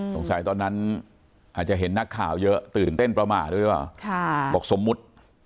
ตอนนั้นอาจจะเห็นนักข่าวเยอะตื่นเต้นประมาทด้วยหรือเปล่าบอกสมมุติ